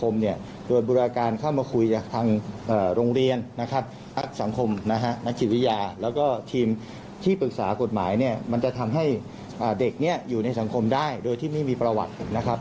แล้วก็ทีมที่ปรึกษากฎหมายเนี่ยมันจะทำให้เด็กนี้อยู่ในสังคมได้โดยที่ไม่มีประวัตินะครับ